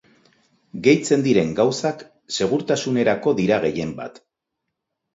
Gehitzen diren gauzak segurtasunerako dira gehienbat.